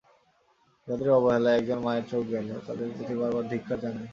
যাদের অবহেলায় একজন মায়ের চোখ গেল, তাদের প্রতি বারবার ধিক্কার জানায়।